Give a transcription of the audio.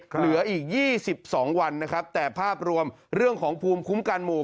เหลืออีก๒๒วันนะครับแต่ภาพรวมเรื่องของภูมิคุ้มกันหมู่